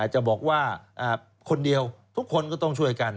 จะบอกว่าคนเดียวทุกคนก็ต้องช่วยกัน